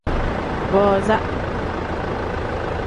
Booza.